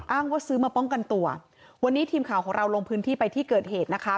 ว่าซื้อมาป้องกันตัววันนี้ทีมข่าวของเราลงพื้นที่ไปที่เกิดเหตุนะคะ